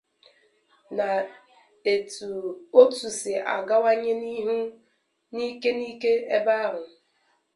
nà et ọtụ si agawanye n'ihu n'ike n'ike ebe ahụ